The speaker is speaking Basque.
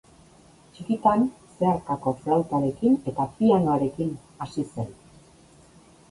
Txikitan zeharkako flautarekin eta pianoarekin hasi zen.